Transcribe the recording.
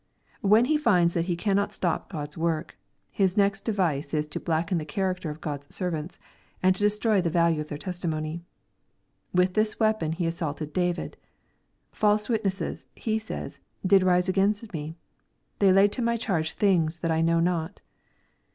When he finds that he cannot stop Q od's work, his next device is to blacken the character of God's servants, and to destroy the value of their testimony. With this weapon he assaulted David :" False witnesses,'' he says, "did rise against me : they laid to my charge things that I knew not."